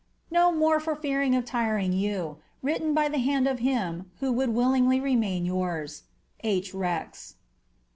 * No more for fear of tiring jrou. Written by the hand of him who would willingly reHMiiii yo«rs. « H. Rex."